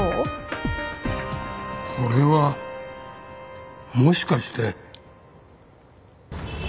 これはもしかして。